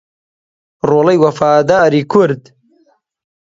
ڕۆڵەی وەفاداری کورد